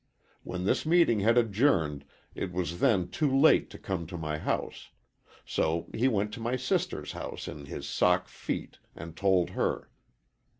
When this meeting had adjourned it was then too late to come to my house. So he went to my sister's house in his sock feet and told her.